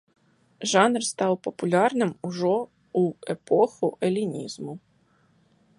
Жанр стаў папулярным ужо ў эпоху элінізму.